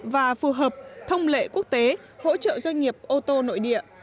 và phù hợp thông lệ quốc tế hỗ trợ doanh nghiệp ô tô nội địa